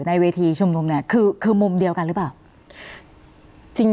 ในเวทีชุมนุมเนี่ยคือมุมเดียวกันหรือเปล่า